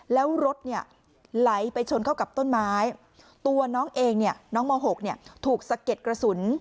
แล้วรถเนี่ยไหลไปชนเข้ากับต้นไม้ตัวน้องเองเนี่ยน้องม๖ถูกสะเก็ดกระสุน